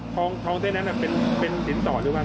ทองเส้นนั้นเป็นสินสอดหรือว่า